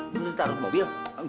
ini ditaruh ke mobil